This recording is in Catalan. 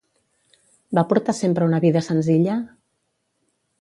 Va portar sempre una vida senzilla?